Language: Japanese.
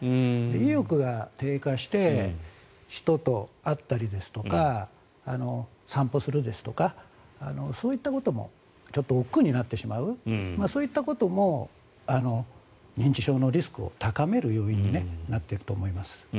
意欲が低下して人と会ったりですとか散歩するですとかそういったこともちょっとおっくうになってしまうそういったことも認知症のリスクを高める要因になっていると思います。